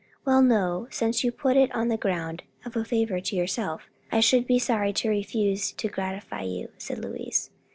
"Well no, since you put it on the ground of a favor to yourself, I should be sorry to refuse to gratify you," said Louise.